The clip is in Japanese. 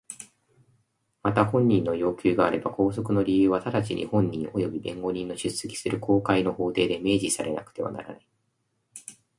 また本人の要求があれば拘束の理由は直ちに本人および弁護人の出席する公開の法廷で明示されなくてはならない。